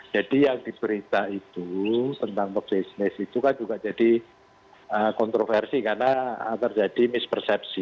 jadi yang diberita itu tentang pebisnis itu kan juga jadi kontroversi karena terjadi mispersepsi